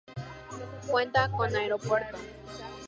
Cuenta con aeropuerto.